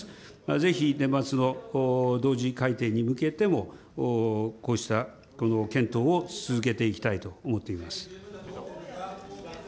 ぜひ年末の同時改定に向けても、こうした検討を続けていきたいと思っています。